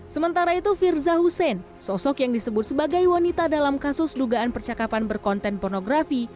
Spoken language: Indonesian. sementara itu firza hussein sosok yang disebut sebagai wanita dalam kasus dugaan percakapan berkonten pornografi